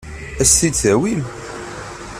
Ad as-t-id-tawim?